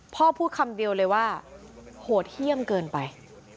พูดคำเดียวเลยว่าโหดเยี่ยมเกินไป